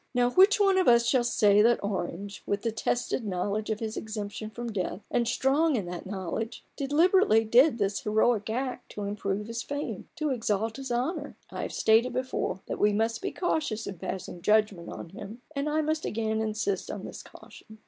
Now, which one of us shall say that Orange, with the tested knowledge of his exemption from death, and strong in that knowledge, deliberately did this heroic act to improve his fame, to exalt his honour ? I have stated before that we must be cautious in passing judgment on him, and I must again insist on this caution.